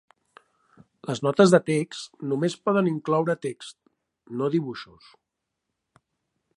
Les Notes de Text només poden incloure text, no dibuixos.